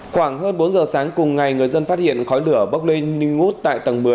khoảng hơn bốn giờ sáng cùng ngày người dân phát hiện khói lửa bốc lên nghi ngút tại tầng một mươi